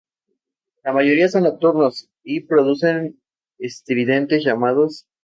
La mayoría son nocturnos y producen estridentes llamados.